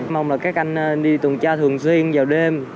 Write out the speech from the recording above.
mong là các anh đi tuần tra thường xuyên vào đêm